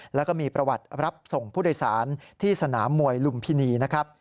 แล้วก็มีประวัติรับส่งผู้โดยสารที่สนามมวยลุมพินีนะครับ